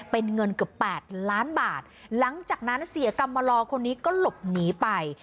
เป็นเงินเกือบแปดล้านบาทหลังจากนั้นเสียกรรมลอคนนี้ก็หลบหนีไป